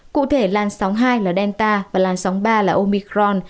cụ thể làn sóng hai là delta và làn sóng ba là omicron